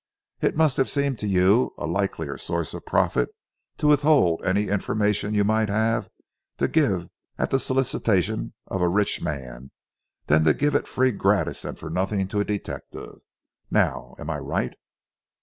It must have seemed to you a likelier source of profit to withhold any information you might have to give at the solicitation of a rich man, than to give it free gratis and for nothing to a detective. Now am I right?"